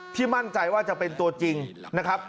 มั่นใจว่าจะเป็นตัวจริงนะครับ